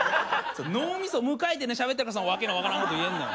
脳みそ無回転でしゃべってるからそんな訳の分からんこと言えんねん。